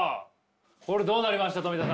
これどうなりました？